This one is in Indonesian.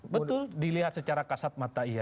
betul dilihat secara kasat mata iya